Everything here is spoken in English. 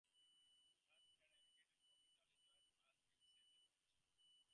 Frank had emigrated from Italy and joined his cousin Vincent in the venture.